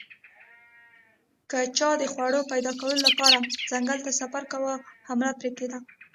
که چا د خوړو پیدا کولو لپاره ځنګل ته سفر کاوه حمله پرې کېده